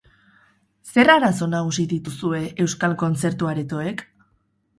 Zer arazo nagusi dituzue euskal kontzertu aretoek?